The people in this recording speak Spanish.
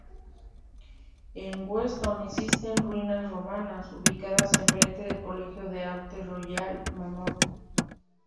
En Weston existen ruinas romanas, ubicadas enfrente al Colegio de Artes Royal Manor.